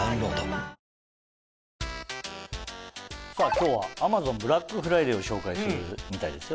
今日は「アマゾンブラックフライデー」を紹介するみたいですよ。